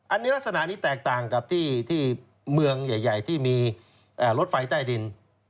อันนี้ลักษณะนี้แตกต่างกับที่เมืองใหญ่ที่มีรถไฟใต้ดิน